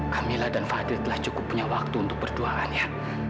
camilla dan fadil telah cukup punya waktu untuk berduaan ya